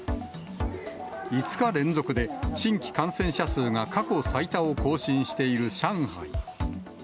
５日連続で、新規感染者数が過去最多を更新している上海。